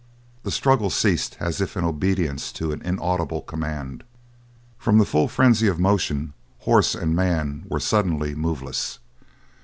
The struggle ceased as if in obedience to an inaudible command. From the full frenzy of motion horse and man were suddenly moveless.